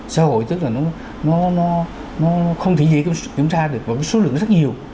xã hội tức là nó không thể dễ kiểm tra được với số lượng rất nhiều